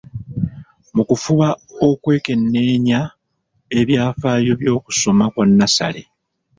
Mu kufuba okwekenneenya ebyafaayo by’okusoma kwa nnassale.